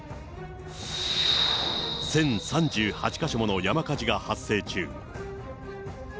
１０３８か所もの山火事が発生中。